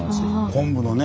昆布のね